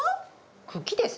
茎ですね。